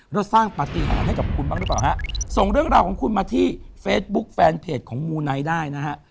แล้วสร้างปฏิหารให้กับคุณบ้างหรือเปล่าฮะส่งเรื่องราวของคุณมาที่เฟซบุ๊คแฟนเพจของมูไนท์ได้นะฮะ